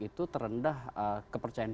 itu terendah kepercayaan